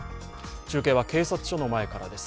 中継は警察署の前からです。